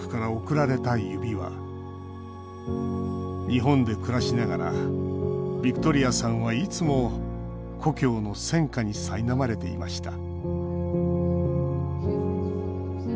日本で暮らしながらビクトリアさんは、いつも故郷の戦禍にさいなまれていました。